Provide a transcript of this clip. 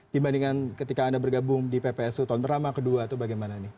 dibandingkan ketika anda bergabung di ppsu tahun pertama kedua atau bagaimana nih